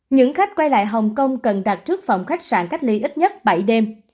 những khách quay lại hồng kông cần đặt trước phòng khách sạn cách ly ít nhất bảy đêm